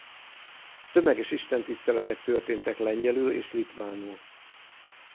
Tömeges istentiszteletek történtek lengyelül és litvánul.